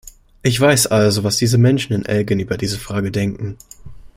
Ich weiß also, was die Menschen in Elgin über diese Fragen denken.